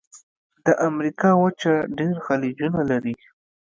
د امریکا وچه ډېر خلیجونه لري.